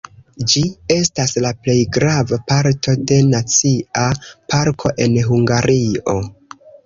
Ĝi estas la plej grava parto de nacia parko en Hungario.